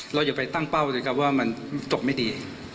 เราอย่าไปตั้งเป้าเลยค่ะว่ามันตกไม่ดี